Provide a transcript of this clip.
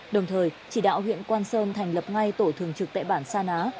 đồng thời chỉ đạo huyện quang sơn thành lập ngay tổ thường trực tại bản sa ná